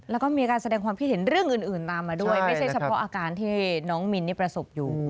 แล้วก็มีการแสดงความคิดเห็นเรื่องอื่นตามมาด้วยไม่ใช่เฉพาะอาการที่น้องมินนี่ประสบอยู่